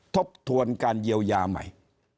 ทบทวนการเยียวยาใหม่